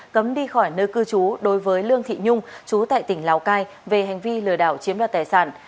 cấm đi khỏi nơi cư trú đối với lương thị nhung chú tại tỉnh lào cai về hành vi lừa đảo chiếm đoạt tài sản